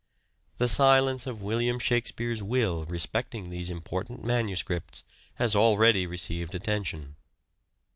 The silence of William Shakspere 's will respecting these important manuscripts has already received attention.